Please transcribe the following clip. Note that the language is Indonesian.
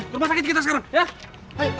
rumah sakit kita sekarang ya